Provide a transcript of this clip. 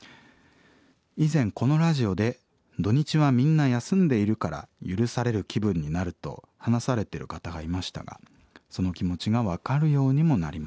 以前このラジオで『土日はみんな休んでいるから許される気分になる』と話されてる方がいましたがその気持ちが分かるようにもなりました。